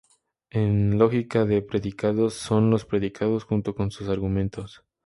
En lógica de predicados, son los predicados junto con sus argumentos.